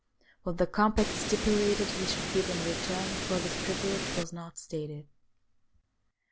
What the com pact stipulated he should give in return for this privilege was not stated.